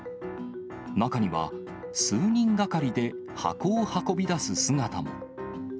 中には、数人がかりで箱を運び出す姿も。